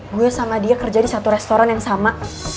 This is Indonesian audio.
gue sama dia kerja di satu restoran yang sama